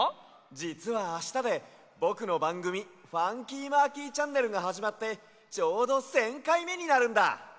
じつはあしたでぼくのばんぐみ「ファンキーマーキーチャンネル」がはじまってちょうど１，０００かいめになるんだ！